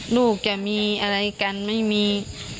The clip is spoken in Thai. ลูกจะมีอะไรกันไม่มี